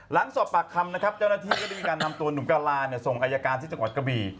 หลังสอบปากคำนะครับเจ้าหน้าที่ก็ได้มีการนำตัวหนุ่มกะลาส่งอายการที่จังหวัดกระบี่